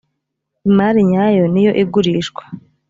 imari nyayo niyo igurishwa.